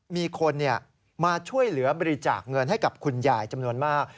มีคนมาช่วยเหลือบริจาคเงินให้กับคุณยายจำนวนมาก